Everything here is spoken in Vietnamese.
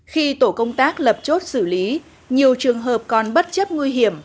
khi tổ công tác lập chốt xử lý nhiều trường hợp còn bất chấp nguy hiểm